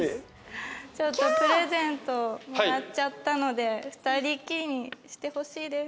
ちょっとプレゼントをもらっちゃったので２人きりにしてほしいです。